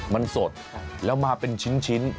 มันสดแล้วมาเป็นชิ้น